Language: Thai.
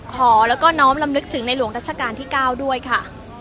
ขอแล้วก็น้อมลำลึกถึงในหลวงรัชกาลที่๙ด้วยค่ะ